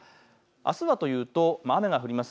あすはというと雨が降ります。